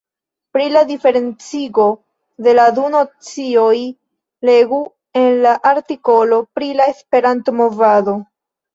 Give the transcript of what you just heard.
Pri la diferencigo de la du nocioj legu en la artikolo pri la Esperanto-movado.